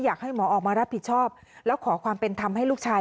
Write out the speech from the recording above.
อยากให้หมอออกมารับผิดชอบแล้วขอความเป็นธรรมให้ลูกชาย